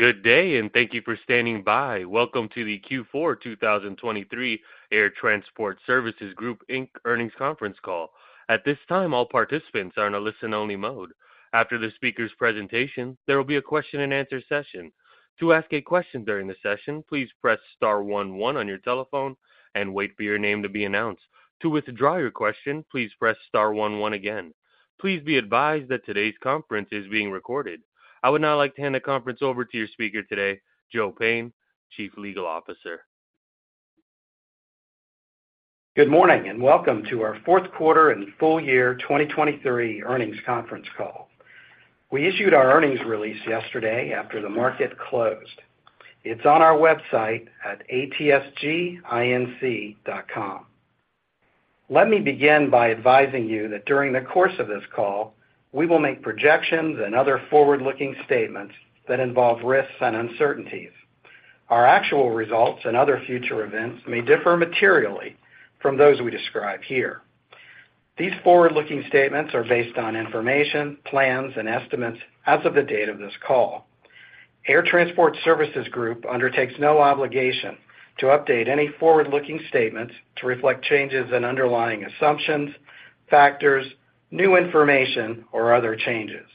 Good day, and thank you for standing by. Welcome to the Q4 2023 Air Transport Services Group, Inc. earnings conference call. At this time, all participants are in a listen-only mode. After the speaker's presentation, there will be a question-and-answer session. To ask a question during the session, please press star one one on your telephone and wait for your name to be announced. To withdraw your question, please press star one one again. Please be advised that today's conference is being recorded. I would now like to hand the conference over to your speaker today, Joe Payne, Chief Legal Officer. Good morning and welcome to our fourth quarter and full year 2023 earnings conference call. We issued our earnings release yesterday after the market closed. It's on our website at atsginc.com. Let me begin by advising you that during the course of this call, we will make projections and other forward-looking statements that involve risks and uncertainties. Our actual results and other future events may differ materially from those we describe here. These forward-looking statements are based on information, plans, and estimates as of the date of this call. Air Transport Services Group undertakes no obligation to update any forward-looking statements to reflect changes in underlying assumptions, factors, new information, or other changes.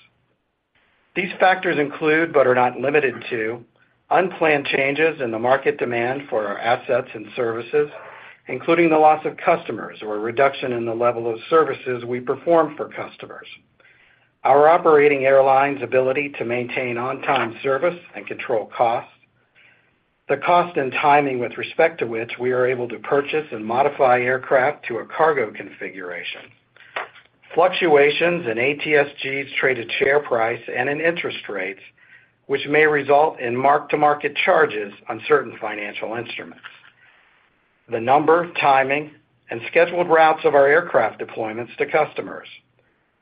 These factors include but are not limited to unplanned changes in the market demand for our assets and services, including the loss of customers or a reduction in the level of services we perform for customers, our operating airlines' ability to maintain on-time service and control costs, the cost and timing with respect to which we are able to purchase and modify aircraft to a cargo configuration, fluctuations in ATSG's traded share price and in interest rates, which may result in mark-to-market charges on certain financial instruments, the number, timing, and scheduled routes of our aircraft deployments to customers,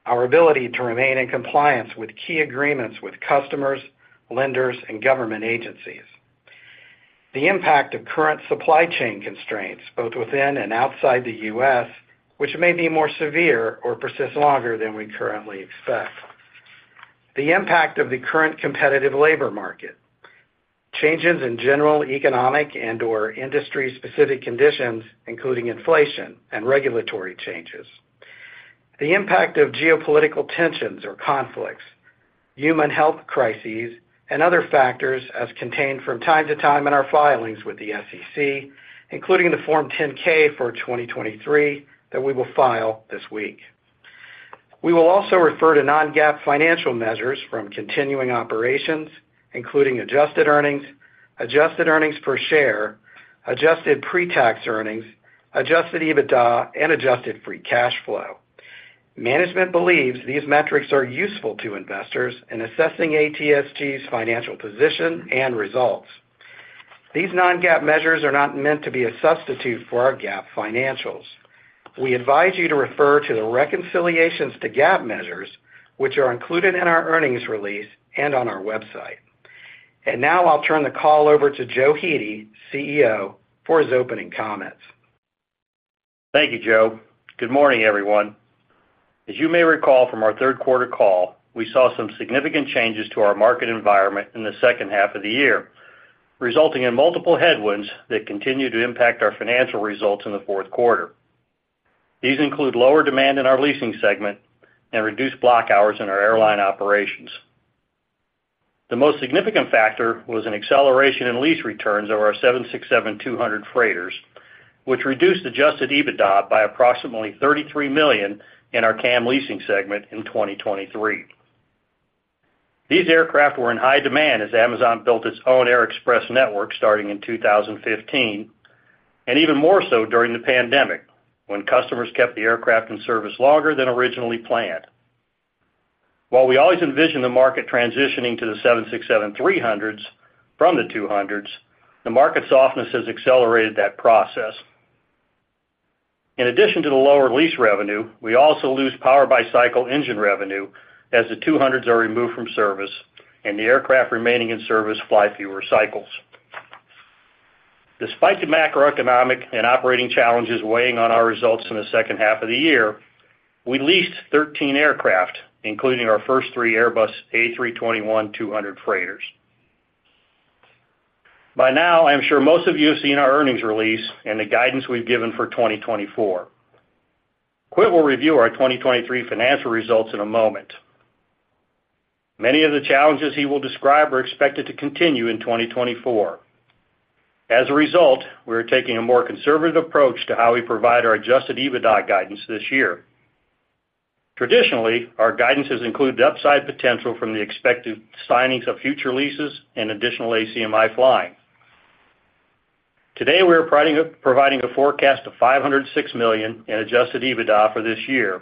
our ability to remain in compliance with key agreements with customers, lenders, and government agencies, the impact of current supply chain constraints both within and outside the U.S., which may be more severe or persist longer than we currently expect, the impact of the current competitive labor market, changes in general economic and/or industry-specific conditions, including inflation and regulatory changes, the impact of geopolitical tensions or conflicts, human health crises, and other factors as contained from time to time in our filings with the SEC, including the Form 10-K for 2023 that we will file this week. We will also refer to non-GAAP financial measures from continuing operations, including adjusted earnings, adjusted earnings per share, adjusted pre-tax earnings, adjusted EBITDA, and adjusted free cash flow. Management believes these metrics are useful to investors in assessing ATSG's financial position and results. These non-GAAP measures are not meant to be a substitute for our GAAP financials. We advise you to refer to the reconciliations to GAAP measures, which are included in our earnings release and on our website. And now I'll turn the call over to Joe Hete, CEO, for his opening comments. Thank you, Joe. Good morning, everyone. As you may recall from our third quarter call, we saw some significant changes to our market environment in the second half of the year, resulting in multiple headwinds that continue to impact our financial results in the fourth quarter. These include lower demand in our leasing segment and reduced block hours in our airline operations. The most significant factor was an acceleration in lease returns of our 767-200 freighters, which reduced Adjusted EBITDA by approximately $33 million in our CAM leasing segment in 2023. These aircraft were in high demand as Amazon built its own air express network starting in 2015, and even more so during the pandemic when customers kept the aircraft in service longer than originally planned. While we always envision the market transitioning to the 767-300s from the 200s, the market softness has accelerated that process. In addition to the lower lease revenue, we also lose power-by-cycle engine revenue as the 200s are removed from service and the aircraft remaining in service fly fewer cycles. Despite the macroeconomic and operating challenges weighing on our results in the second half of the year, we leased 13 aircraft, including our first three Airbus A321-200 freighters. By now, I am sure most of you have seen our earnings release and the guidance we've given for 2024. Quint will review our 2023 financial results in a moment. Many of the challenges he will describe are expected to continue in 2024. As a result, we are taking a more conservative approach to how we provide our Adjusted EBITDA guidance this year. Traditionally, our guidance has included upside potential from the expected signings of future leases and additional ACMI flying. Today, we are providing a forecast of $506 million in adjusted EBITDA for this year,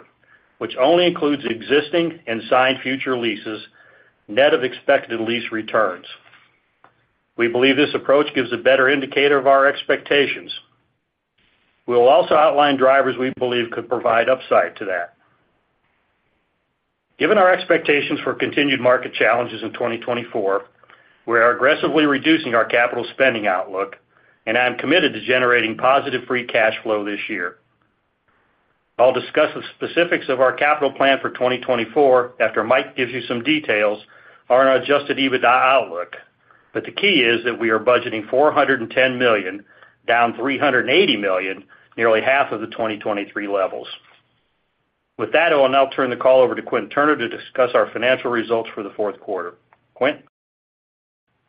which only includes existing and signed future leases net of expected lease returns. We believe this approach gives a better indicator of our expectations. We will also outline drivers we believe could provide upside to that. Given our expectations for continued market challenges in 2024, we are aggressively reducing our capital spending outlook, and I am committed to generating positive free cash flow this year. I'll discuss the specifics of our capital plan for 2024 after Mike gives you some details on our adjusted EBITDA outlook, but the key is that we are budgeting $410 million down $380 million, nearly half of the 2023 levels. With that, I'll now turn the call over to Quint Turner to discuss our financial results for the fourth quarter. Quint?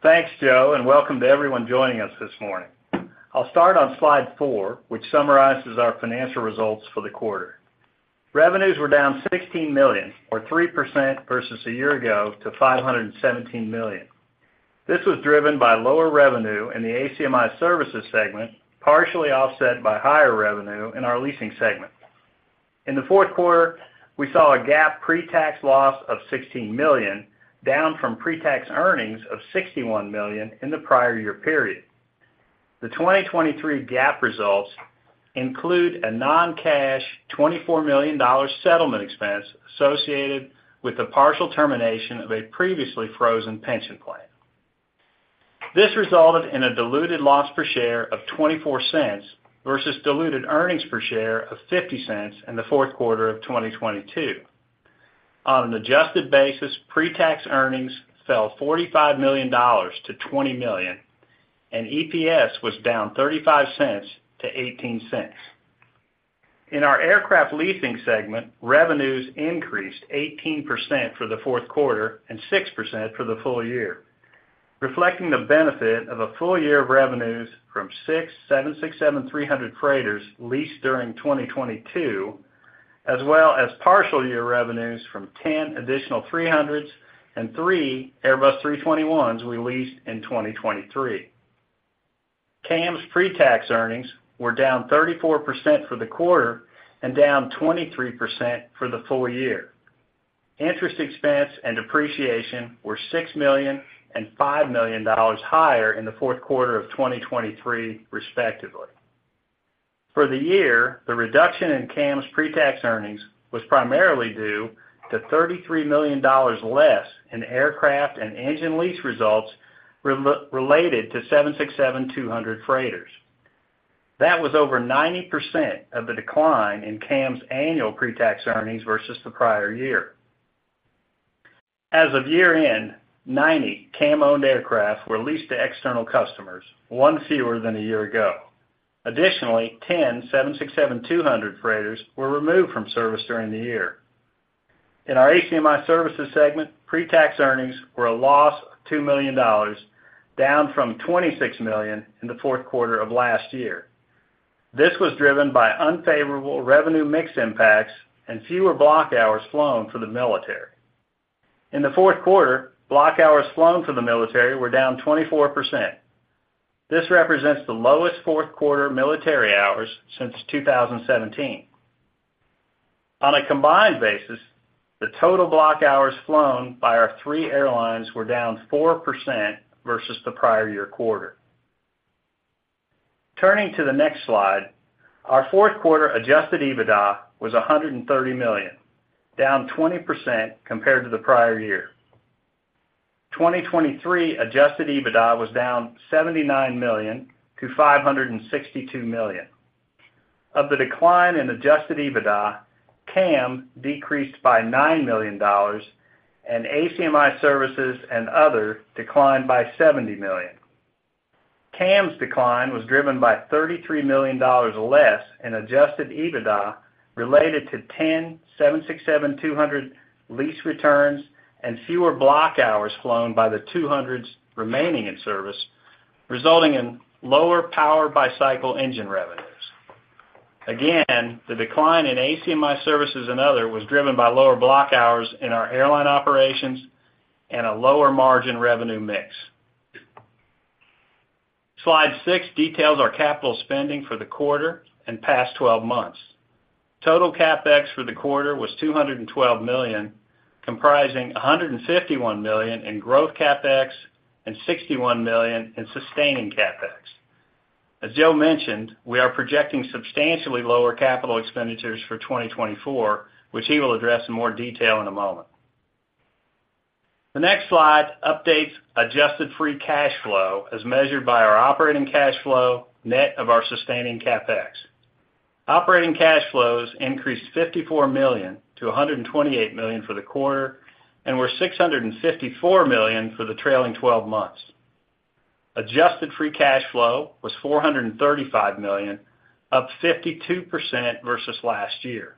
Thanks, Joe, and welcome to everyone joining us this morning. I'll start on slide four, which summarizes our financial results for the quarter. Revenues were down $16 million, or 3% versus a year ago, to $517 million. This was driven by lower revenue in the ACMI services segment, partially offset by higher revenue in our leasing segment. In the fourth quarter, we saw a GAAP pre-tax loss of $16 million down from pre-tax earnings of $61 million in the prior year period. The 2023 GAAP results include a non-cash $24 million settlement expense associated with the partial termination of a previously frozen pension plan. This resulted in a diluted loss per share of $0.24 versus diluted earnings per share of $0.50 in the fourth quarter of 2022. On an adjusted basis, pre-tax earnings fell $45 million to $20 million, and EPS was down $0.35 to $0.18. In our aircraft leasing segment, revenues increased 18% for the fourth quarter and 6% for the full year, reflecting the benefit of a full year of revenues from six 767-300 freighters leased during 2022, as well as partial year revenues from 10 additional 300s and three Airbus 321s we leased in 2023. CAM's pre-tax earnings were down 34% for the quarter and down 23% for the full year. Interest expense and depreciation were $6 million and $5 million higher in the fourth quarter of 2023, respectively. For the year, the reduction in CAM's pre-tax earnings was primarily due to $33 million less in aircraft and engine lease results related to 767-200 freighters. That was over 90% of the decline in CAM's annual pre-tax earnings versus the prior year. As of year-end, 90 CAM-owned aircraft were leased to external customers, 1 fewer than a year ago. Additionally, 10 767-200 freighters were removed from service during the year. In our ACMI services segment, pre-tax earnings were a loss of $2 million, down from $26 million in the fourth quarter of last year. This was driven by unfavorable revenue mix impacts and fewer block hours flown for the military. In the fourth quarter, block hours flown for the military were down 24%. This represents the lowest fourth quarter military hours since 2017. On a combined basis, the total block hours flown by our three airlines were down 4% versus the prior year quarter. Turning to the next slide, our fourth quarter adjusted EBITDA was $130 million, down 20% compared to the prior year. 2023 adjusted EBITDA was down $79 million to $562 million. Of the decline in adjusted EBITDA, CAM decreased by $9 million, and ACMI services and other declined by $70 million. CAM's decline was driven by $33 million less in adjusted EBITDA related to 10 767-200 lease returns and fewer block hours flown by the 200s remaining in service, resulting in lower Power-by-Cycle engine revenues. Again, the decline in ACMI services and other was driven by lower block hours in our airline operations and a lower margin revenue mix. Slide six details our capital spending for the quarter and past 12 months. Total CapEx for the quarter was $212 million, comprising $151 million in growth CapEx and $61 million in sustaining CapEx. As Joe mentioned, we are projecting substantially lower capital expenditures for 2024, which he will address in more detail in a moment. The next slide updates adjusted free cash flow as measured by our operating cash flow net of our sustaining CapEx. Operating cash flows increased $54 million to $128 million for the quarter and were $654 million for the trailing 12 months. Adjusted free cash flow was $435 million, up 52% versus last year.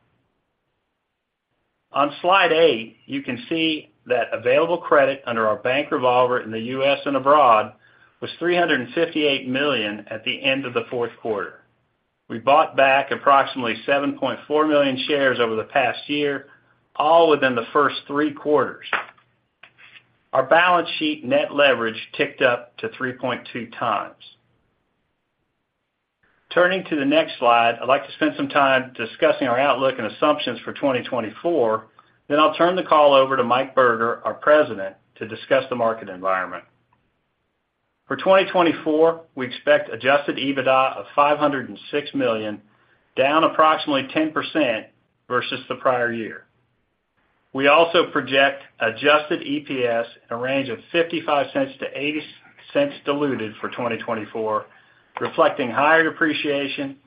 On slide eight, you can see that available credit under our bank revolver in the U.S. and abroad was $358 million at the end of the fourth quarter. We bought back approximately 7.4 million shares over the past year, all within the first three quarters. Our balance sheet net leverage ticked up to 3.2 times. Turning to the next slide, I'd like to spend some time discussing our outlook and assumptions for 2024, then I'll turn the call over to Mike Berger, our president, to discuss the market environment. For 2024, we expect Adjusted EBITDA of $506 million, down approximately 10% versus the prior year. We also project Adjusted EPS in a range of $0.55-$0.80 diluted for 2024, reflecting higher depreciation,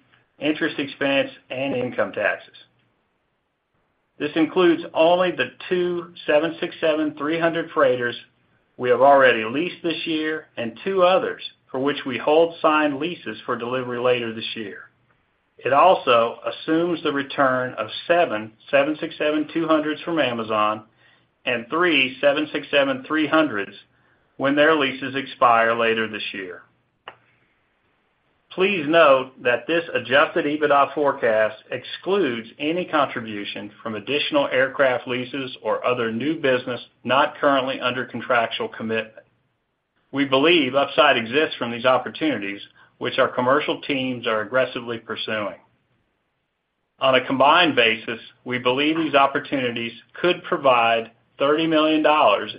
interest expense, and income taxes. This includes only the two 767-300 freighters we have already leased this year and two others for which we hold signed leases for delivery later this year. It also assumes the return of seven 767-200s from Amazon and three 767-300s when their leases expire later this year. Please note that this Adjusted EBITDA forecast excludes any contribution from additional aircraft leases or other new business not currently under contractual commitment. We believe upside exists from these opportunities, which our commercial teams are aggressively pursuing. On a combined basis, we believe these opportunities could provide $30 million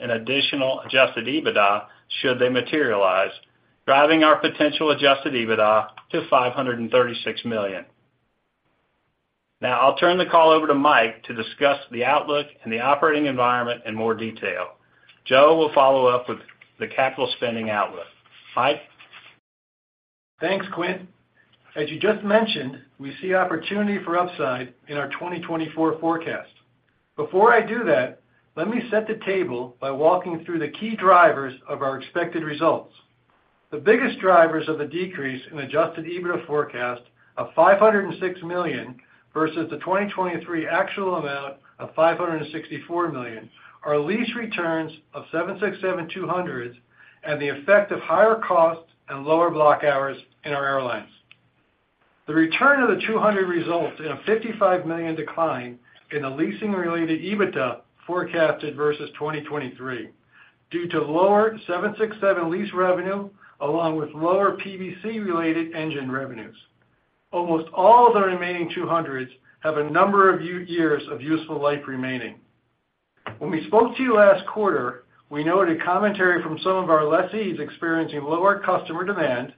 in additional Adjusted EBITDA should they materialize, driving our potential Adjusted EBITDA to $536 million. Now, I'll turn the call over to Mike to discuss the outlook and the operating environment in more detail. Joe will follow up with the capital spending outlook. Mike? Thanks, Quint. As you just mentioned, we see opportunity for upside in our 2024 forecast. Before I do that, let me set the table by walking through the key drivers of our expected results. The biggest drivers of the decrease in adjusted EBITDA forecast of $506 million versus the 2023 actual amount of $564 million are lease returns of 767-200s and the effect of higher costs and lower block hours in our airlines. The return of the 200 results in a $55 million decline in the leasing-related EBITDA forecasted versus 2023 due to lower 767 lease revenue along with lower PBC-related engine revenues. Almost all of the remaining 200s have a number of years of useful life remaining. When we spoke to you last quarter, we noted commentary from some of our lessees experiencing lower customer demand,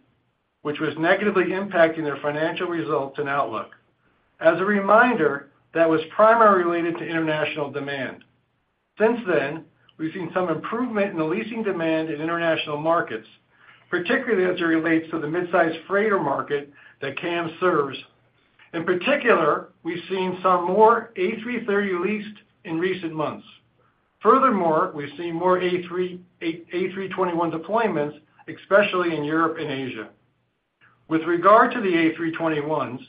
which was negatively impacting their financial results and outlook. As a reminder, that was primarily related to international demand. Since then, we've seen some improvement in the leasing demand in international markets, particularly as it relates to the midsize freighter market that CAM serves. In particular, we've seen some more A330 leased in recent months. Furthermore, we've seen more A321 deployments, especially in Europe and Asia. With regard to the A321s,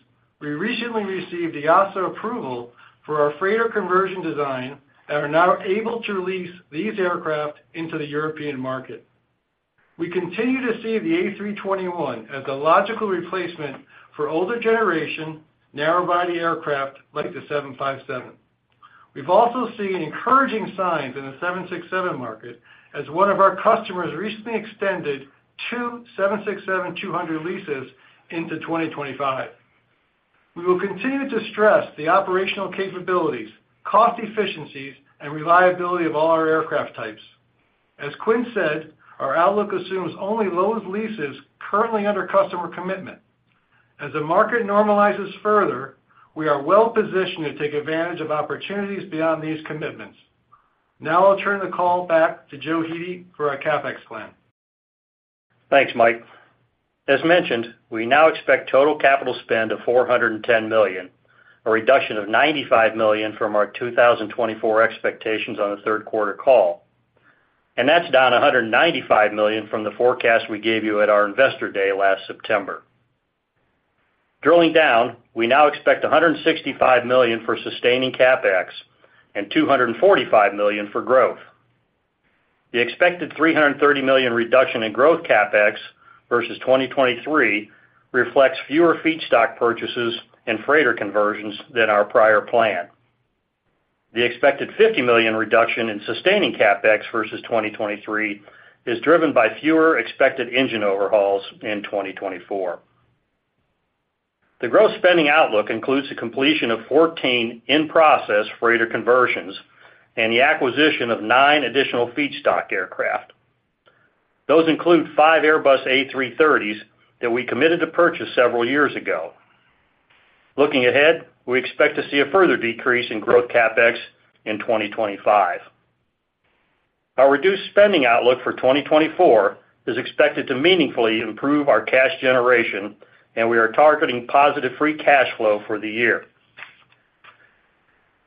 we recently received EASA approval for our freighter conversion design and are now able to release these aircraft into the European market. We continue to see the A321 as a logical replacement for older generation, narrow-body aircraft like the 757. We've also seen encouraging signs in the 767 market as one of our customers recently extended two 767-200 leases into 2025. We will continue to stress the operational capabilities, cost efficiencies, and reliability of all our aircraft types. As Quint said, our outlook assumes only low leases currently under customer commitment. As the market normalizes further, we are well positioned to take advantage of opportunities beyond these commitments. Now, I'll turn the call back to Joe Hete for our CapEx plan. Thanks, Mike. As mentioned, we now expect total capital spend of $410 million, a reduction of $95 million from our 2024 expectations on the third quarter call, and that's down $195 million from the forecast we gave you at our investor day last September. Drilling down, we now expect $165 million for sustaining CapEx and $245 million for growth. The expected $330 million reduction in growth CapEx versus 2023 reflects fewer feedstock purchases and freighter conversions than our prior plan. The expected $50 million reduction in sustaining CapEx versus 2023 is driven by fewer expected engine overhauls in 2024. The growth spending outlook includes the completion of 14 in-process freighter conversions and the acquisition of nine additional feedstock aircraft. Those include five Airbus A330s that we committed to purchase several years ago. Looking ahead, we expect to see a further decrease in growth CapEx in 2025. Our reduced spending outlook for 2024 is expected to meaningfully improve our cash generation, and we are targeting positive free cash flow for the year.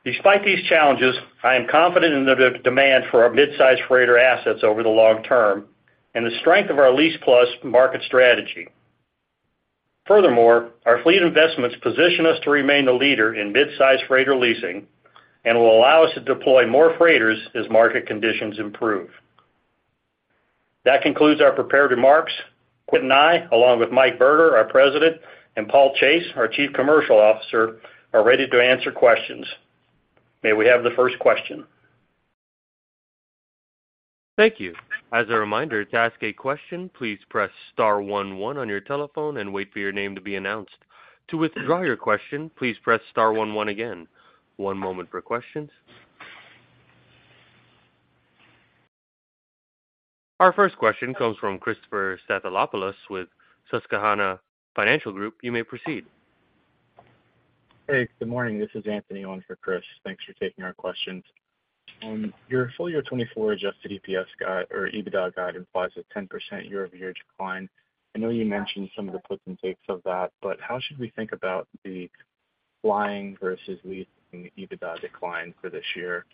Despite these challenges, I am confident in the demand for our midsize freighter assets over the long term and the strength of our Lease Plus market strategy. Furthermore, our fleet investments position us to remain the leader in midsize freighter leasing and will allow us to deploy more freighters as market conditions improve. That concludes our prepared remarks. Quint and I, along with Mike Berger, our President, and Paul Chase, our Chief Commercial Officer, are ready to answer questions. May we have the first question? Thank you. As a reminder, to ask a question, please press star one one on your telephone and wait for your name to be announced. To withdraw your question, please press star one one again. One moment for questions. Our first question comes from Christopher Stathopoulos with Susquehanna Financial Group. You may proceed. Hey, good morning. This is Anthony Owens for Chris. Thanks for taking our questions. Your full year 2024 adjusted EPS guide or EBITDA guide implies a 10% year-over-year decline. I know you mentioned some of the puts and takes of that, but how should we think about the flying versus leasing EBITDA decline for this year,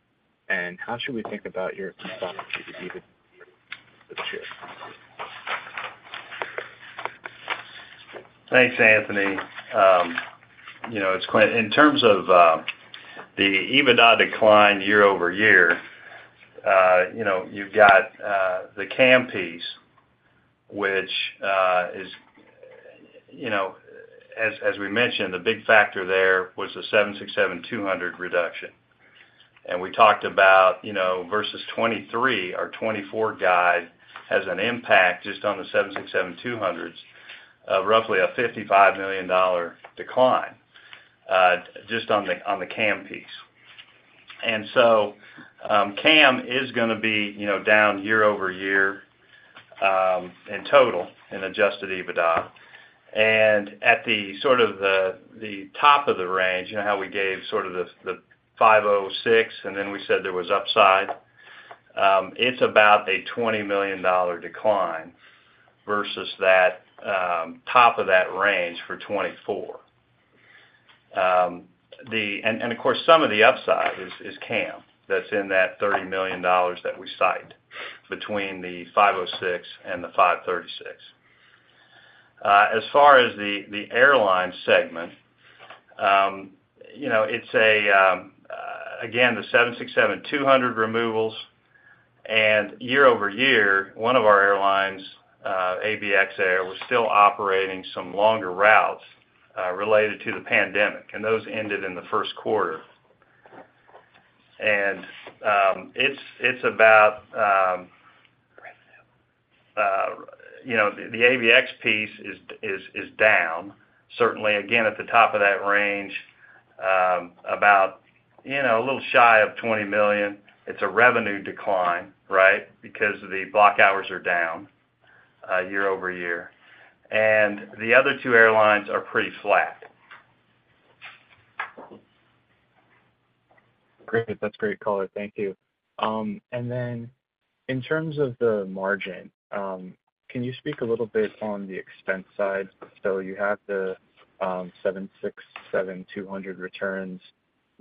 and how should we think about your EBITDA for this year? Thanks, Anthony. It's quiet in terms of the EBITDA decline year-over-year. You've got the CAM piece, which is, as we mentioned, the big factor there was the 767-200 reduction. And we talked about versus 2023, our 2024 guide has an impact just on the 767-200s of roughly a $55 million decline just on the CAM piece. And so CAM is going to be down year-over-year in total in Adjusted EBITDA. And at the sort of the top of the range, how we gave sort of the 506 and then we said there was upside, it's about a $20 million decline versus that top of that range for 2024. And of course, some of the upside is CAM that's in that $30 million that we cite between the 506 and the 536. As far as the airline segment, it's again, the 767-200 removals. Year-over-year, one of our airlines, ABX Air, was still operating some longer routes related to the pandemic, and those ended in the first quarter. It's about the ABX piece is down, certainly, again, at the top of that range, about a little shy of $20 million. It's a revenue decline, right, because the block hours are down year-over-year. The other two airlines are pretty flat. Great. That's a great call. Thank you. And then in terms of the margin, can you speak a little bit on the expense side? So you have the 767-200 returns,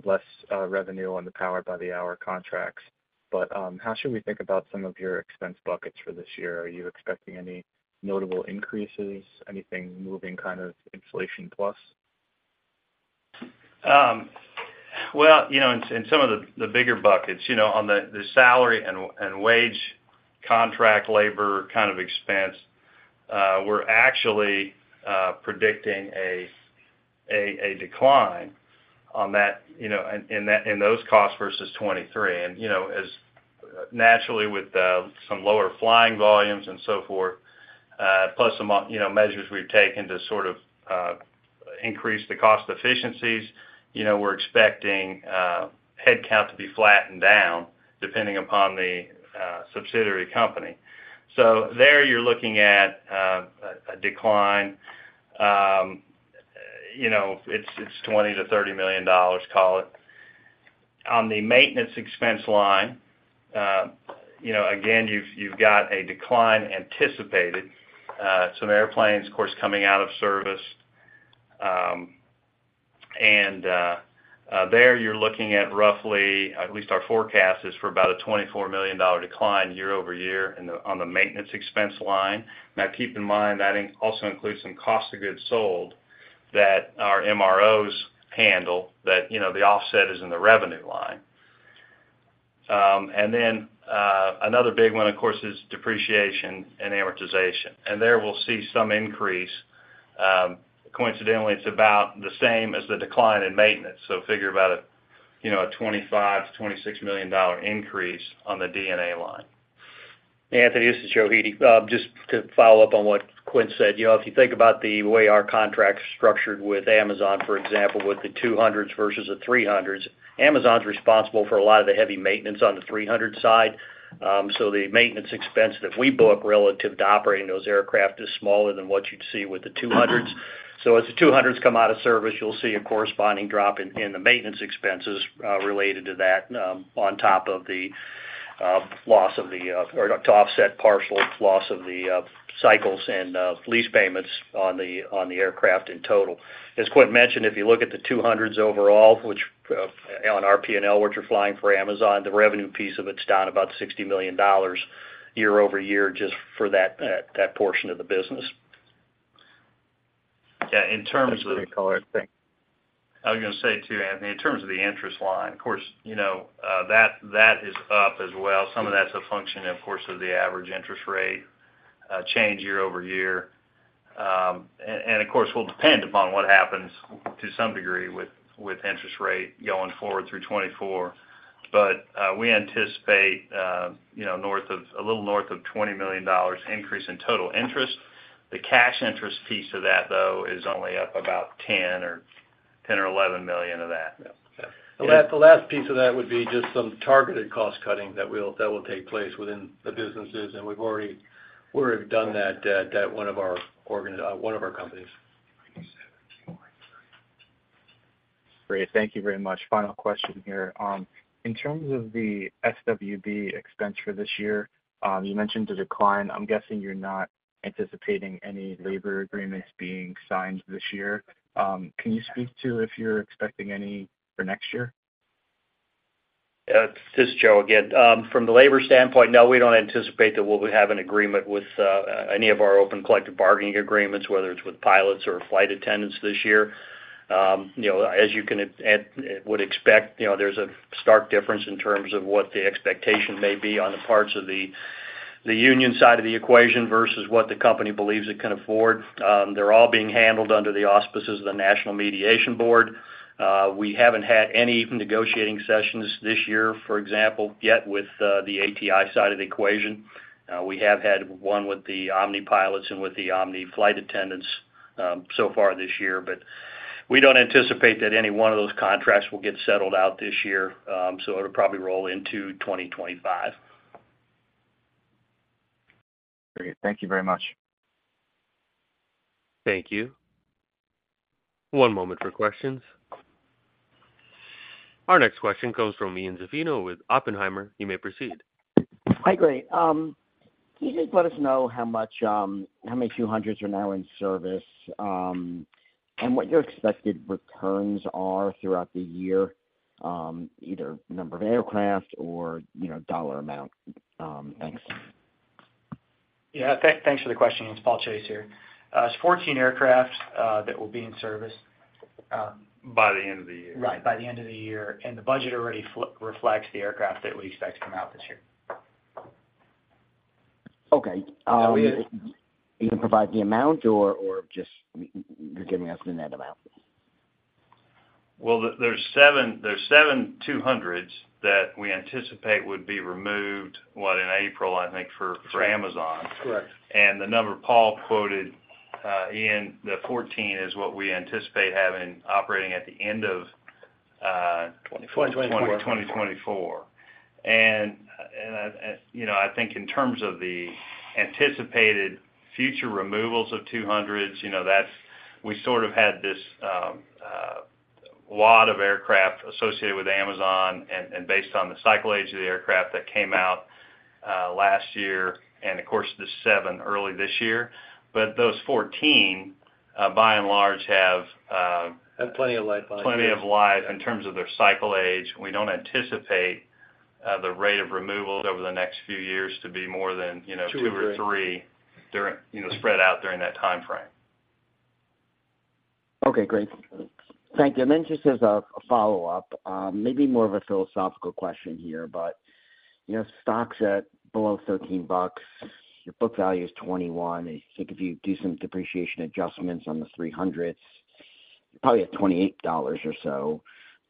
less revenue on the power-by-the-hour contracts. But how should we think about some of your expense buckets for this year? Are you expecting any notable increases, anything moving kind of inflation plus? Well, in some of the bigger buckets, on the salary and wage contract labor kind of expense, we're actually predicting a decline in those costs versus 2023. And naturally, with some lower flying volumes and so forth, plus some measures we've taken to sort of increase the cost efficiencies, we're expecting headcount to be flattened down depending upon the subsidiary company. So there, you're looking at a decline. It's $20 million-$30 million, call it. On the maintenance expense line, again, you've got a decline anticipated. Some airplanes, of course, coming out of service. And there, you're looking at roughly at least our forecast is for about a $24 million decline year-over-year on the maintenance expense line. Now, keep in mind, that also includes some cost of goods sold that our MROs handle, that the offset is in the revenue line. Then another big one, of course, is depreciation and amortization. There, we'll see some increase. Coincidentally, it's about the same as the decline in maintenance. So figure about a $25 million-$26 million increase on the D&A line. Anthony, this is Joe Hete. Just to follow up on what Quint said, if you think about the way our contract's structured with Amazon, for example, with the 200s versus the 300s, Amazon's responsible for a lot of the heavy maintenance on the 300 side. So the maintenance expense that we book relative to operating those aircraft is smaller than what you'd see with the 200s. So as the 200s come out of service, you'll see a corresponding drop in the maintenance expenses related to that on top of the loss to offset partial loss of the cycles and lease payments on the aircraft in total. As Quint mentioned, if you look at the 200s overall on our P&L, which are flying for Amazon, the revenue piece of it's down about $60 million year-over-year just for that portion of the business. Yeah. In terms of. That's a great caller. Thanks. I was going to say too, Anthony, in terms of the interest line, of course, that is up as well. Some of that's a function, of course, of the average interest rate change year over year. Of course, we'll depend upon what happens to some degree with interest rate going forward through 2024. But we anticipate a little north of $20 million increase in total interest. The cash interest piece of that, though, is only up about $10 or $10 or $11 million of that. Yeah. The last piece of that would be just some targeted cost cutting that will take place within the businesses. We've already done that at one of our companies. Great. Thank you very much. Final question here. In terms of the SWB expense for this year, you mentioned a decline. I'm guessing you're not anticipating any labor agreements being signed this year. Can you speak to if you're expecting any for next year? Yeah. It's just Joe again. From the labor standpoint, no, we don't anticipate that we'll have an agreement with any of our open collective bargaining agreements, whether it's with pilots or flight attendants this year. As you would expect, there's a stark difference in terms of what the expectation may be on the parts of the union side of the equation versus what the company believes it can afford. They're all being handled under the auspices of the National Mediation Board. We haven't had any negotiating sessions this year, for example, yet with the ATI side of the equation. We have had one with the Omni pilots and with the Omni flight attendants so far this year. But we don't anticipate that any one of those contracts will get settled out this year. So it'll probably roll into 2025. Great. Thank you very much. Thank you. One moment for questions. Our next question comes from Ian Zaffino with Oppenheimer. You may proceed. Hi, Gray. Can you just let us know how many 200s are now in service and what your expected returns are throughout the year, either number of aircraft or dollar amount? Thanks. Yeah. Thanks for the question. It's Paul Chase here. It's 14 aircraft that will be in service. By the end of the year. Right. By the end of the year. The budget already reflects the aircraft that we expect to come out this year. Okay. You can provide the amount or just you're giving us the net amount. Well, there's seven 200s that we anticipate would be removed, what, in April, I think, for Amazon. The number Paul quoted, Ian, the 14 is what we anticipate having operating at the end of. 2024. 2024. 2024. I think in terms of the anticipated future removals of 200s, we sort of had this lot of aircraft associated with Amazon and based on the cycle age of the aircraft that came out last year and, of course, the seven early this year. But those 14, by and large, have. Have plenty of lifeline. Plenty of life in terms of their cycle age. We don't anticipate the rate of removals over the next few years to be more than two or three spread out during that timeframe. Okay. Great. Thank you. And then just as a follow-up, maybe more of a philosophical question here, but stocks at below $13, your book value is $21. I think if you do some depreciation adjustments on the 300s, you're probably at $28 or so.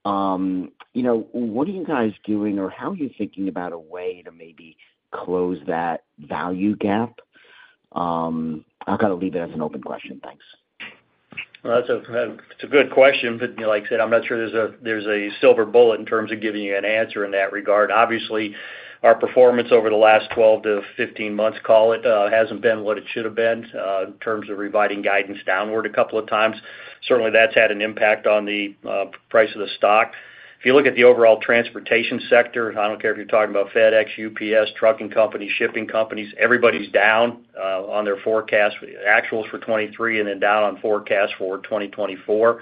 What are you guys doing or how are you thinking about a way to maybe close that value gap? I've got to leave it as an open question. Thanks. Well, it's a good question. But like I said, I'm not sure there's a silver bullet in terms of giving you an answer in that regard. Obviously, our performance over the last 12-15 months, call it, hasn't been what it should have been in terms of revising guidance downward a couple of times. Certainly, that's had an impact on the price of the stock. If you look at the overall transportation sector, I don't care if you're talking about FedEx, UPS, trucking companies, shipping companies, everybody's down on their forecast, actuals for 2023, and then down on forecasts for 2024.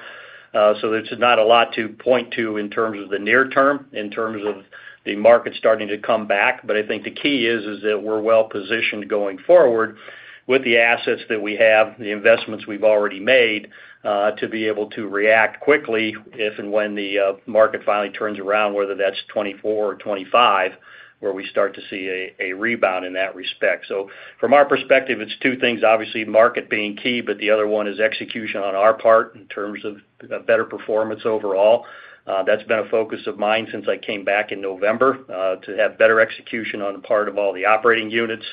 So it's not a lot to point to in terms of the near term, in terms of the market starting to come back. But I think the key is that we're well-positioned going forward with the assets that we have, the investments we've already made, to be able to react quickly if and when the market finally turns around, whether that's 2024 or 2025, where we start to see a rebound in that respect. So from our perspective, it's two things. Obviously, market being key, but the other one is execution on our part in terms of better performance overall. That's been a focus of mine since I came back in November, to have better execution on the part of all the operating units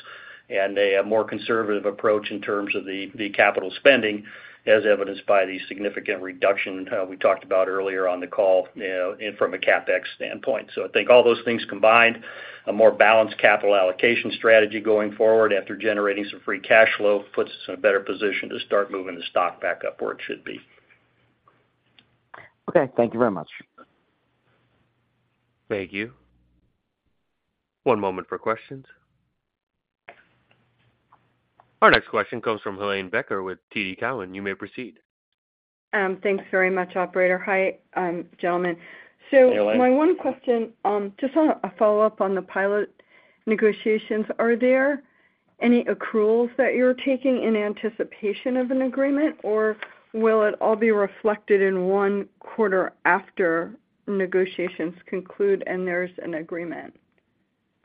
and a more conservative approach in terms of the capital spending, as evidenced by the significant reduction we talked about earlier on the call from a CapEx standpoint. I think all those things combined, a more balanced capital allocation strategy going forward after generating some free cash flow puts us in a better position to start moving the stock back up where it should be. Okay. Thank you very much. Thank you. One moment for questions. Our next question comes from Helane Becker with TD Cowen. You may proceed. Thanks very much, Operator, Hi gentlemen. So my one question, just a follow-up on the pilot negotiations, are there any accruals that you're taking in anticipation of an agreement, or will it all be reflected in one quarter after negotiations conclude and there's an agreement?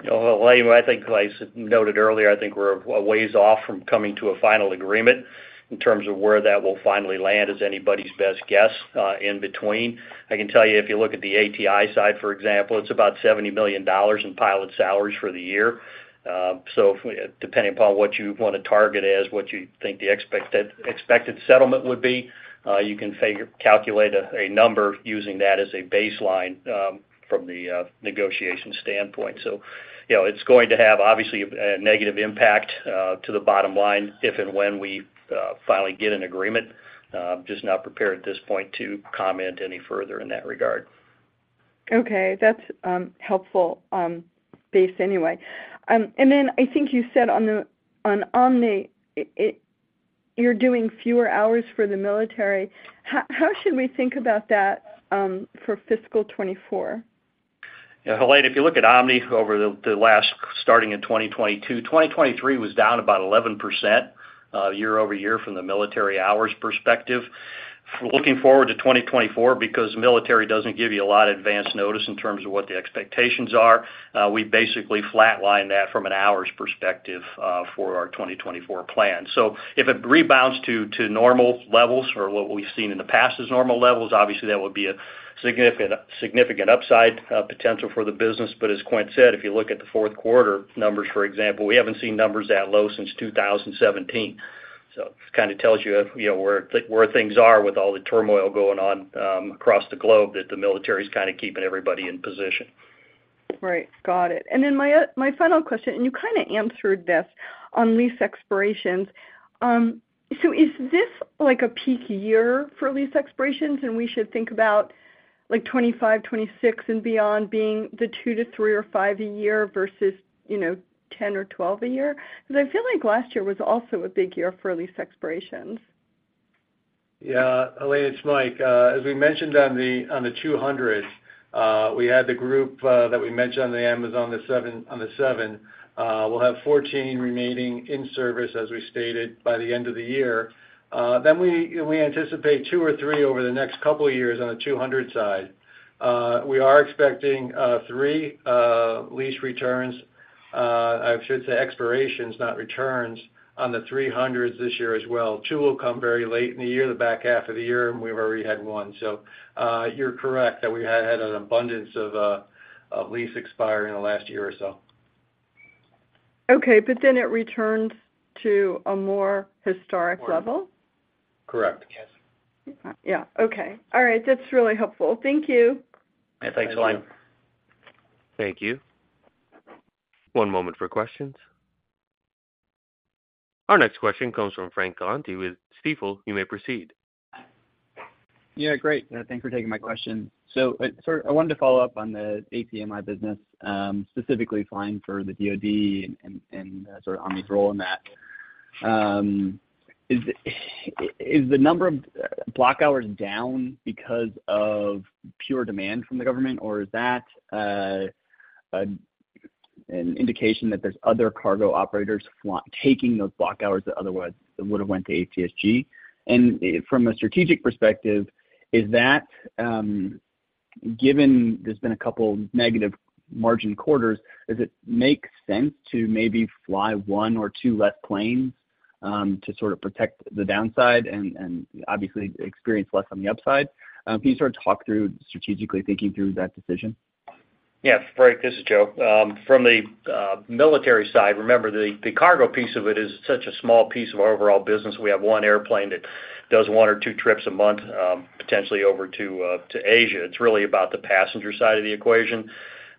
Well, Helene, I think, like I noted earlier, I think we're ways off from coming to a final agreement in terms of where that will finally land is anybody's best guess in between. I can tell you, if you look at the ATI side, for example, it's about $70 million in pilot salaries for the year. So depending upon what you want to target as what you think the expected settlement would be, you can calculate a number using that as a baseline from the negotiation standpoint. So it's going to have, obviously, a negative impact to the bottom line if and when we finally get an agreement. I'm just not prepared at this point to comment any further in that regard. Okay. That's helpful base anyway. And then I think you said on Omni, you're doing fewer hours for the military. How should we think about that for fiscal 2024? Helene, if you look at Omni over the last starting in 2022, 2023 was down about 11% year-over-year from the military hours perspective. Looking forward to 2024, because the military doesn't give you a lot of advance notice in terms of what the expectations are, we basically flatline that from an hours perspective for our 2024 plan. So if it rebounds to normal levels or what we've seen in the past as normal levels, obviously, that would be a significant upside potential for the business. But as Quint said, if you look at the fourth quarter numbers, for example, we haven't seen numbers that low since 2017. So it kind of tells you where things are with all the turmoil going on across the globe that the military's kind of keeping everybody in position. Right. Got it. And then my final question, and you kind of answered this on lease expirations. So is this a peak year for lease expirations? And we should think about 2025, 2026, and beyond being the two-three or five a year versus 10 or 12 a year? Because I feel like last year was also a big year for lease expirations. Yeah. Helene, it's Mike. As we mentioned on the 200s, we had the group that we mentioned on the Amazon, the seven. We'll have 14 remaining in service, as we stated, by the end of the year. Then we anticipate two or three over the next couple of years on the 200 side. We are expecting three lease returns. I should say expirations, not returns, on the 300s this year as well. two will come very late in the year, the back half of the year, and we've already had one. So you're correct that we had an abundance of lease expiring the last year or so. Okay. But then it returns to a more historic level? Correct. Yeah. Okay. All right. That's really helpful. Thank you. Yeah. Thanks, Helene. Thank you. One moment for questions. Our next question comes from Frank Galanti with Stifel. You may proceed. Yeah. Great. Thanks for taking my question. So I wanted to follow up on the ATI business, specifically flying for the DOD and sort of Omni's role in that. Is the number of block hours down because of pure demand from the government, or is that an indication that there's other cargo operators taking those block hours that otherwise would have went to ATSG? And from a strategic perspective, given there's been a couple of negative margin quarters, does it make sense to maybe fly one or two less planes to sort of protect the downside and, obviously, experience less on the upside? Can you sort of talk through strategically thinking through that decision? Yes. Frank. This is Joe. From the military side, remember, the cargo piece of it is such a small piece of our overall business. We have one airplane that does one or two trips a month, potentially over to Asia. It's really about the passenger side of the equation.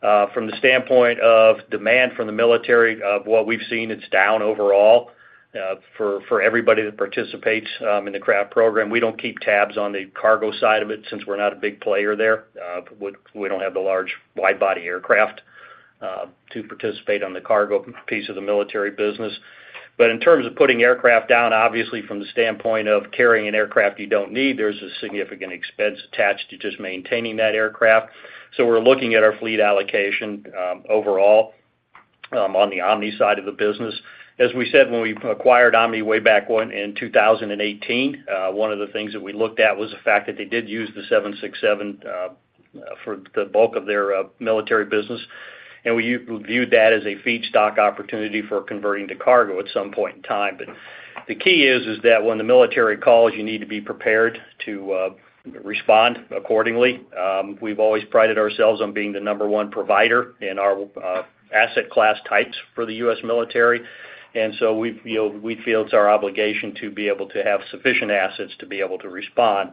From the standpoint of demand from the military, of what we've seen, it's down overall for everybody that participates in the CRAF program. We don't keep tabs on the cargo side of it since we're not a big player there. We don't have the large wide-body aircraft to participate on the cargo piece of the military business. But in terms of putting aircraft down, obviously, from the standpoint of carrying an aircraft you don't need, there's a significant expense attached to just maintaining that aircraft. So we're looking at our fleet allocation overall on the Omni side of the business. As we said, when we acquired Omni way back in 2018, one of the things that we looked at was the fact that they did use the 767 for the bulk of their military business. We viewed that as a feedstock opportunity for converting to cargo at some point in time. The key is that when the military calls, you need to be prepared to respond accordingly. We've always prided ourselves on being the number one provider in our asset class types for the US military. So we feel it's our obligation to be able to have sufficient assets to be able to respond.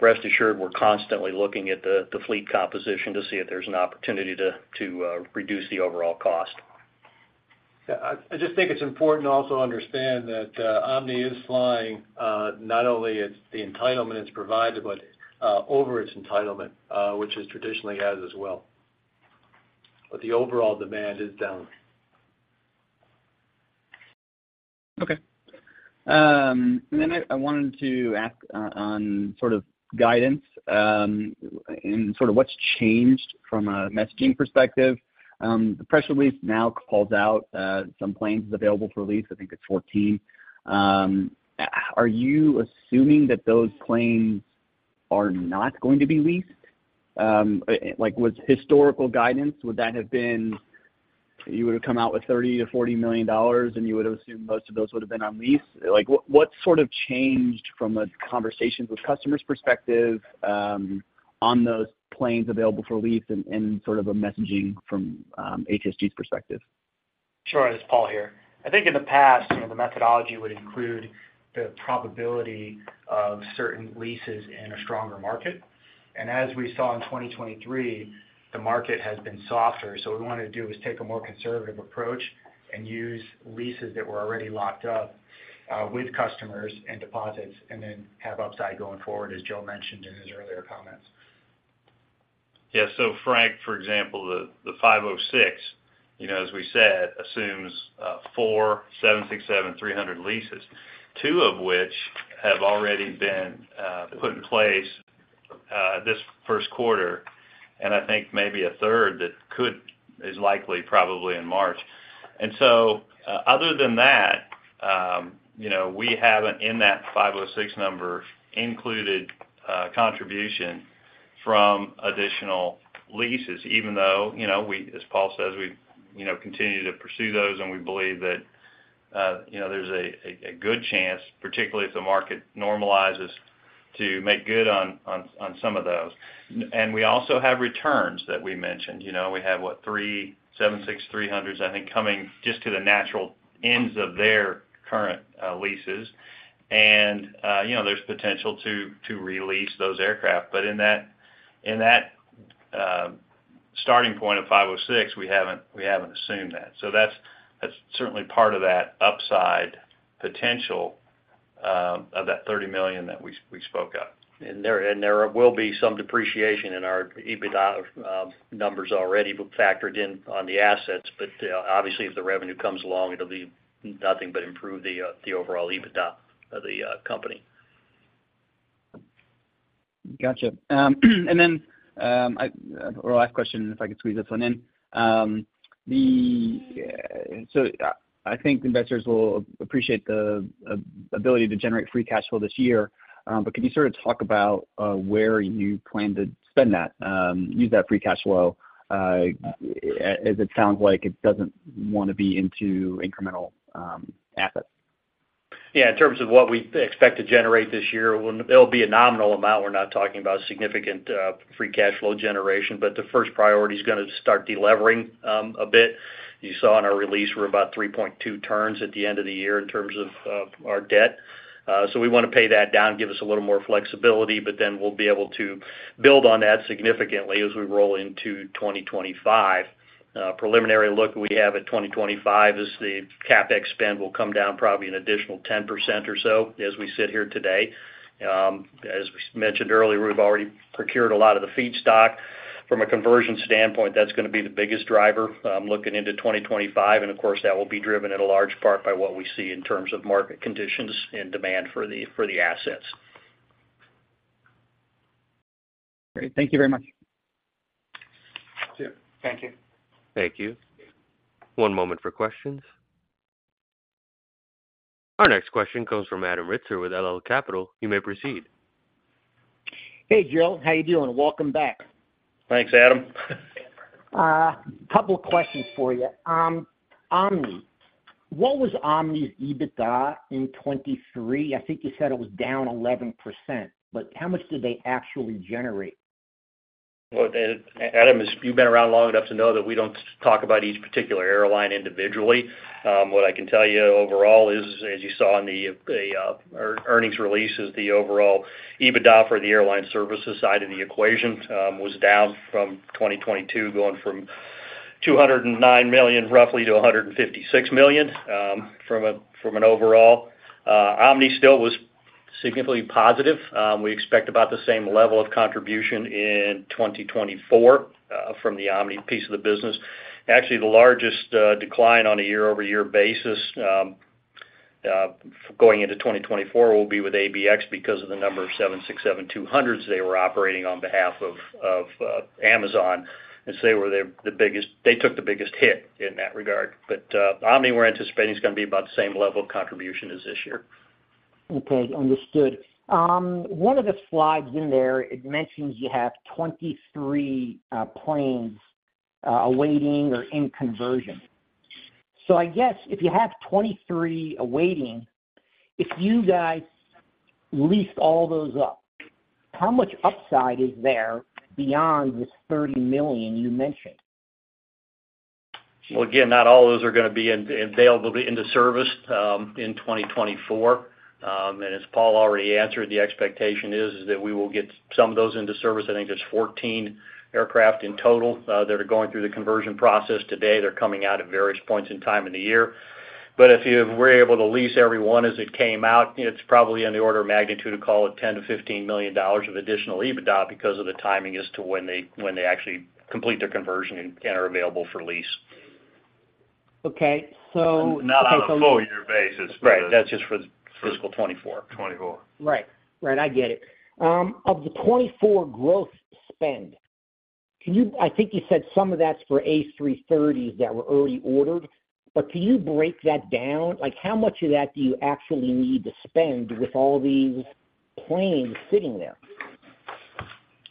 Rest assured, we're constantly looking at the fleet composition to see if there's an opportunity to reduce the overall cost. Yeah. I just think it's important also to understand that Omni is flying not only the entitlement it's provided, but over its entitlement, which it traditionally has as well. But the overall demand is down. Okay. And then I wanted to ask on sort of guidance and sort of what's changed from a messaging perspective. The press release now calls out some planes available for lease. I think it's 14. Are you assuming that those planes are not going to be leased? With historical guidance, would that have been you would have come out with $30 million-$40 million, and you would have assumed most of those would have been on lease? What's sort of changed from conversations with customers perspective on those planes available for lease and sort of a messaging from ATSG's perspective? Sure. It's Paul here. I think in the past, the methodology would include the probability of certain leases in a stronger market. And as we saw in 2023, the market has been softer. So what we wanted to do was take a more conservative approach and use leases that were already locked up with customers and deposits and then have upside going forward, as Joe mentioned in his earlier comments. Yeah. So Frank, for example, the $506 million, as we said, assumes four 767-300 leases, two of which have already been put in place this first quarter. And I think maybe a third that is likely probably in March. And so other than that, we haven't, in that $506 million number, included contribution from additional leases, even though, as Paul says, we continue to pursue those. And we believe that there's a good chance, particularly if the market normalizes, to make good on some of those. And we also have returns that we mentioned. We have, what, three 767-300s, I think, coming just to the natural ends of their current leases. And there's potential to release those aircraft. But in that starting point of $506 million, we haven't assumed that. So that's certainly part of that upside potential of that $30 million that we spoke of. There will be some depreciation in our EBITDA numbers already factored in on the assets. But obviously, if the revenue comes along, it'll be nothing but improve the overall EBITDA of the company. Gotcha. And then our last question, if I could squeeze this one in. So I think investors will appreciate the ability to generate free cash flow this year. But can you sort of talk about where you plan to spend that, use that free cash flow, as it sounds like it doesn't want to be into incremental assets? Yeah. In terms of what we expect to generate this year, it'll be a nominal amount. We're not talking about significant free cash flow generation. But the first priority is going to start delevering a bit. You saw on our release, we're about 3.2 turns at the end of the year in terms of our debt. So we want to pay that down, give us a little more flexibility. But then we'll be able to build on that significantly as we roll into 2025. Preliminary look we have at 2025 is the CapEx spend will come down probably an additional 10% or so as we sit here today. As we mentioned earlier, we've already procured a lot of the feedstock. From a conversion standpoint, that's going to be the biggest driver looking into 2025. Of course, that will be driven in a large part by what we see in terms of market conditions and demand for the assets. Great. Thank you very much. You too. Thank you. Thank you. One moment for questions. Our next question comes from Adam Ritzer with LL Capital. You may proceed. Hey, Joe. How you doing? Welcome back. Thanks, Adam. A couple of questions for you. What was Omni's EBITDA in 2023? I think you said it was down 11%. But how much did they actually generate? Well, Adam, you've been around long enough to know that we don't talk about each particular airline individually. What I can tell you overall is, as you saw in the earnings releases, the overall EBITDA for the airline services side of the equation was down from 2022, going from $209 million roughly to $156 million from an overall. Omni still was significantly positive. We expect about the same level of contribution in 2024 from the Omni piece of the business. Actually, the largest decline on a year-over-year basis going into 2024 will be with ABX because of the number of 767-200s they were operating on behalf of Amazon. And so they were the biggest. They took the biggest hit in that regard. But Omni, we're anticipating it's going to be about the same level of contribution as this year. Okay. Understood. One of the slides in there, it mentions you have 23 planes awaiting or in conversion. So I guess if you have 23 awaiting, if you guys leased all those up, how much upside is there beyond this $30 million you mentioned? Well, again, not all of those are going to be available into service in 2024. And as Paul already answered, the expectation is that we will get some of those into service. I think there's 14 aircraft in total that are going through the conversion process today. They're coming out at various points in time in the year. But if we're able to lease everyone as it came out, it's probably in the order of magnitude to call it $10 million-$15 million of additional EBITDA because of the timing as to when they actually complete their conversion and are available for lease. Okay. So. Not on a full-year basis, but. Right. That's just for the fiscal 2024. 2024. Right. Right. I get it. Of the 2024 growth spend, I think you said some of that's for A330s that were already ordered. But can you break that down? How much of that do you actually need to spend with all these planes sitting there?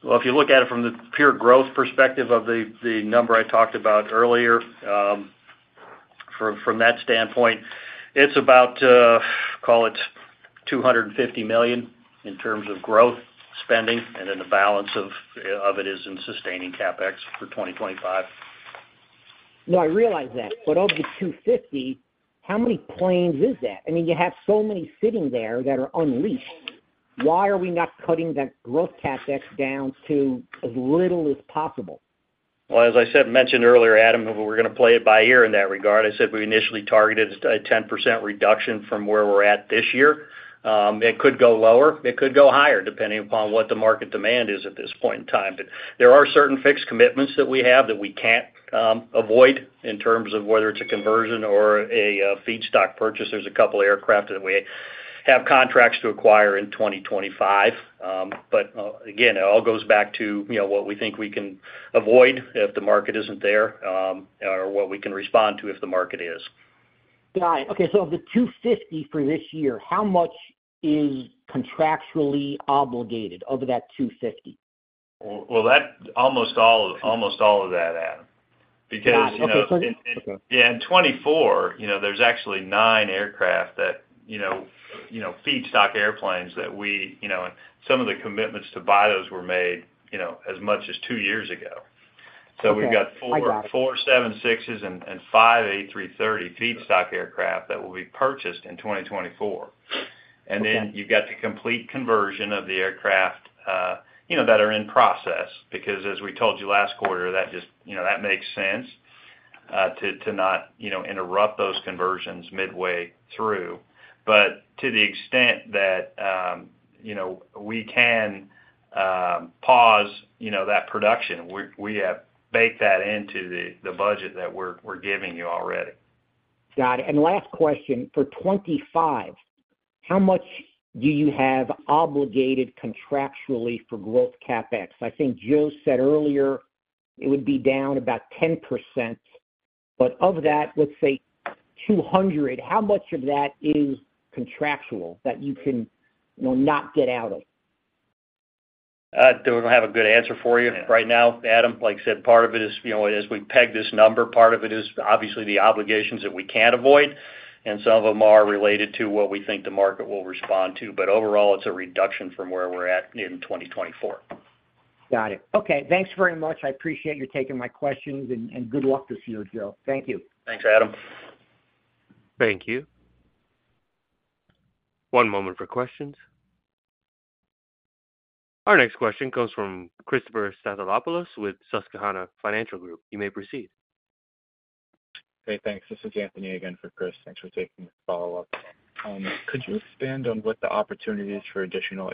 Well, if you look at it from the pure growth perspective of the number I talked about earlier, from that standpoint, it's about, call it, $250 million in terms of growth spending. And then the balance of it is in sustaining CapEx for 2025. No, I realize that. But of the 250, how many planes is that? I mean, you have so many sitting there that are unleased. Why are we not cutting that growth CapEx down to as little as possible? Well, as I mentioned earlier, Adam, we're going to play it by ear in that regard. I said we initially targeted a 10% reduction from where we're at this year. It could go lower. It could go higher depending upon what the market demand is at this point in time. But there are certain fixed commitments that we have that we can't avoid in terms of whether it's a conversion or a feedstock purchase. There's a couple of aircraft that we have contracts to acquire in 2025. But again, it all goes back to what we think we can avoid if the market isn't there or what we can respond to if the market is. Got it. Okay. So of the $250 for this year, how much is contractually obligated of that $250? Well, that's almost all of that, Adam. Because. No, okay. Sorry. Yeah. In 2024, there's actually nine aircraft that feedstock airplanes that we and some of the commitments to buy those were made as much as two years ago. So we've got four 767s and five A330 feedstock aircraft that will be purchased in 2024. And then you've got the complete conversion of the aircraft that are in process because, as we told you last quarter, that makes sense to not interrupt those conversions midway through. But to the extent that we can pause that production, we have baked that into the budget that we're giving you already. Got it. And last question. For 2025, how much do you have obligated contractually for growth CapEx? I think Joe said earlier it would be down about 10%. But of that, let's say $200, how much of that is contractual that you can not get out of? I don't have a good answer for you right now, Adam. Like I said, part of it is as we peg this number, part of it is obviously the obligations that we can't avoid. And some of them are related to what we think the market will respond to. But overall, it's a reduction from where we're at in 2024. Got it. Okay. Thanks very much. I appreciate your taking my questions. And good luck this year, Joe. Thank you. T hanks, Adam. Thank you. One moment for questions. Our next question comes from Christopher Stathopoulos with Susquehanna Financial Group. You may proceed. Hey, thanks. This is Anthony again for Chris. Thanks for taking the follow-up. Could you expand on what the opportunities for additional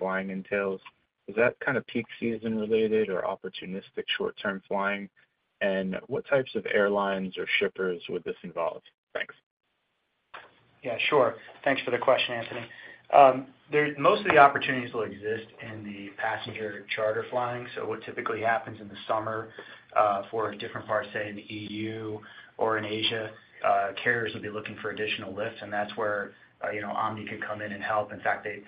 flying entails? Is that kind of peak season-related or opportunistic short-term flying? And what types of airlines or shippers would this involve? Thanks. Yeah, sure. Thanks for the question, Anthony. Most of the opportunities will exist in the passenger charter flying. So what typically happens in the summer for different parts, say, in the EU or in Asia, carriers will be looking for additional lifts. And that's where Omni could come in and help. In fact, they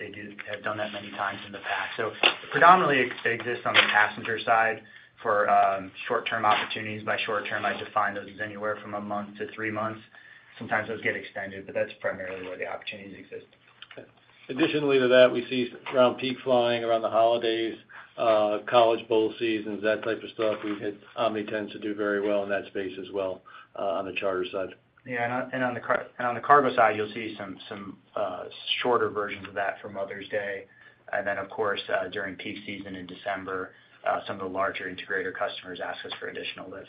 have done that many times in the past. So predominantly, it exists on the passenger side for short-term opportunities. By short-term, I define those as anywhere from a month to three months. Sometimes those get extended. But that's primarily where the opportunities exist. Okay. Additionally to that, we see around peak flying, around the holidays, college bowl seasons, that type of stuff, Omni tends to do very well in that space as well on the charter side. Yeah. And on the cargo side, you'll see some shorter versions of that from Mother's Day. And then, of course, during peak season in December, some of the larger integrator customers ask us for additional lifts.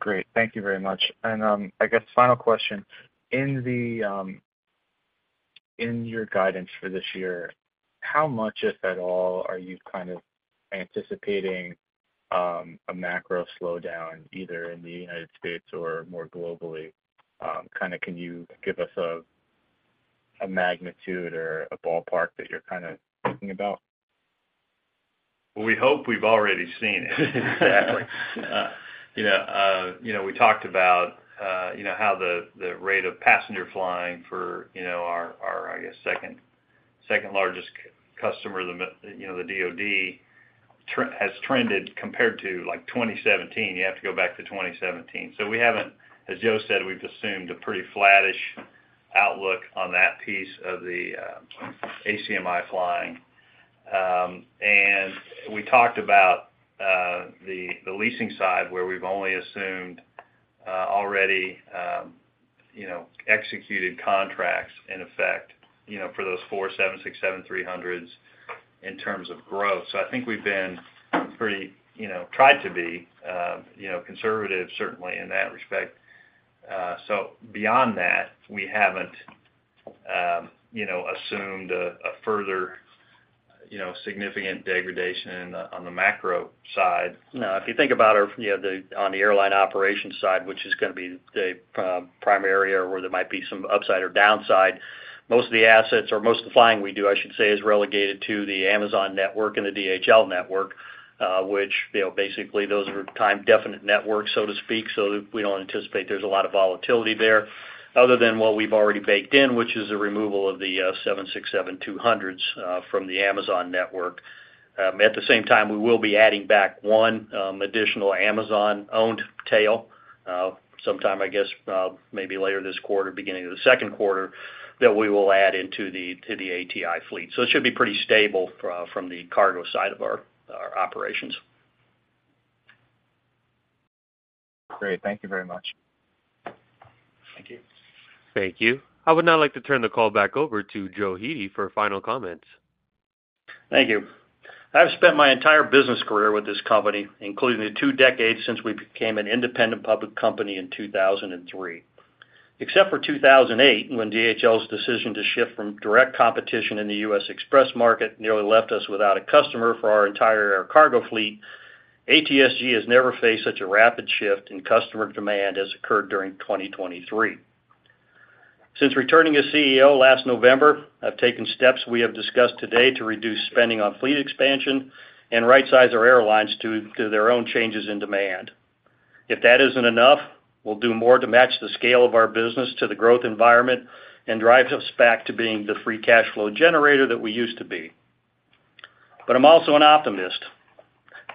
Great. Thank you very much. And I guess final question. In your guidance for this year, how much, if at all, are you kind of anticipating a macro slowdown either in the United States or more globally? Kind of can you give us a magnitude or a ballpark that you're kind of thinking about? Well, we hope we've already seen it. Exactly. We talked about how the rate of passenger flying for our, I guess, second-largest customer, the DOD, has trended compared to 2017. You have to go back to 2017. So as Joe said, we've assumed a pretty flat-ish outlook on that piece of the ACMI flying. And we talked about the leasing side where we've only assumed already executed contracts in effect for those 4,767-300s in terms of growth. So I think we've been pretty tried to be conservative, certainly, in that respect. So beyond that, we haven't assumed a further significant degradation on the macro side. No. If you think about it on the airline operations side, which is going to be the primary area where there might be some upside or downside, most of the assets or most of the flying we do, I should say, is relegated to the Amazon network and the DHL network, which basically, those are time-definite networks, so to speak. So we don't anticipate there's a lot of volatility there other than what we've already baked in, which is the removal of the 767-200s from the Amazon network. At the same time, we will be adding back one additional Amazon-owned tail sometime, I guess, maybe later this quarter, beginning of the second quarter, that we will add into the ATI fleet. So it should be pretty stable from the cargo side of our operations. Great. Thank you very much. Thank you. Thank you. I would now like to turn the call back over to Joe Hete for final comments. Thank you. I've spent my entire business career with this company, including the two decades since we became an independent public company in 2003. Except for 2008, when DHL's decision to shift from direct competition in the U.S. express market nearly left us without a customer for our entire air cargo fleet, ATSG has never faced such a rapid shift in customer demand as occurred during 2023. Since returning as CEO last November, I've taken steps we have discussed today to reduce spending on fleet expansion and right-size our airlines to their own changes in demand. If that isn't enough, we'll do more to match the scale of our business to the growth environment and drive us back to being the free cash flow generator that we used to be. But I'm also an optimist.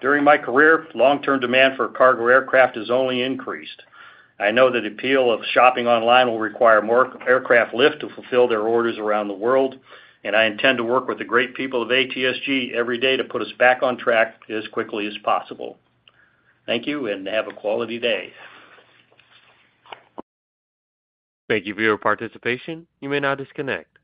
During my career, long-term demand for cargo aircraft has only increased. I know that appeal of shopping online will require more aircraft lift to fulfill their orders around the world. I intend to work with the great people of ATSG every day to put us back on track as quickly as possible. Thank you. Have a quality day. Thank you for your participation. You may now disconnect.